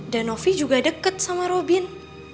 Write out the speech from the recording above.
dan novi juga deket sama robin